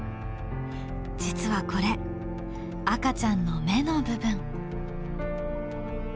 実はこれ赤ちゃんの目の部分。